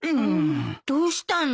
どうしたの？